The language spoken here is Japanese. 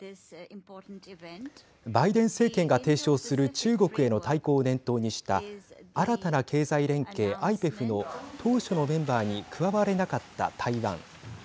バイデン政権が提唱する中国への対抗を念頭にした新たな経済連携、ＩＰＥＦの当初のメンバーに加われなかった台湾。